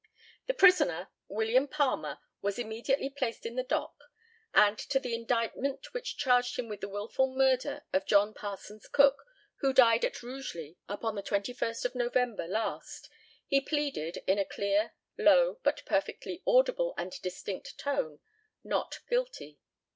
The prisoner, William Palmer, was immediately placed in the dock; and to the indictment which charged him with the wilful murder of John Parsons Cook, who died at Rugeley upon the 21st of November last, he pleaded, in a clear, low, but perfectly audible and distinct tone, "Not guilty."